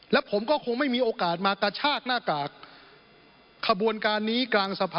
และผมก็คงไม่มีโอกาสมากระชากหน้ากาก